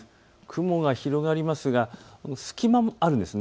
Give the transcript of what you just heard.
雲が広がりますが、隙間があるんです。